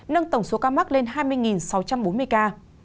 nâng tổng số ca mắc lên hai mươi sáu trăm bốn mươi ca